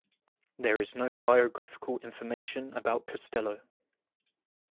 There is no biographical information about Castello.